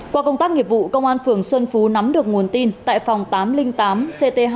qua công tác nghiệp vụ công an phường xuân phú nắm được nguồn tin tại phòng tám trăm linh tám ct hai